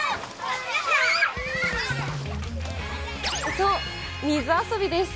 そう、水遊びです。